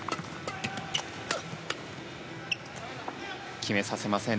決めさせません。